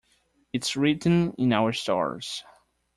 Its written in our stars.